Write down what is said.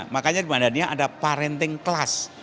makanya di madania ada parenting kelas